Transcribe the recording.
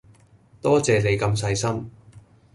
多謝你咁細心